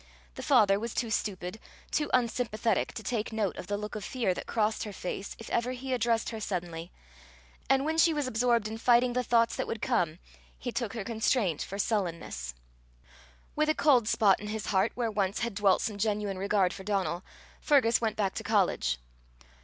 The father was too stupid, too unsympathetic, to take note of the look of fear that crossed her face if ever he addressed her suddenly; and when she was absorbed in fighting the thoughts that would come, he took her constraint for sullenness. With a cold spot in his heart where once had dwelt some genuine regard for Donal, Fergus went back to college.